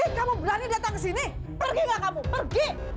pesek kamu berani datang sini pergi nggak kamu pergi